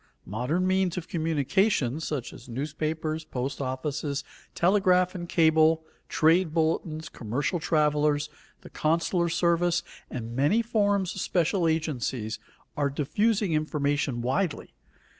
Modern means of communication such as newspapers, post offices, telegraph and cable, trade bulletins, commercial travelers, the consular service, and many forms of special agencies, are diffusing information widely.